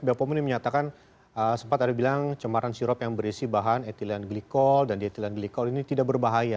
bepom ini menyatakan sempat ada bilang cemaran sirup yang berisi bahan ethylene glycol dan diethylene glycol ini tidak berbahaya